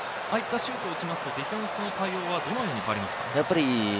ああいったシュートを打ちますとディフェンスの対応はどのように変わりますか？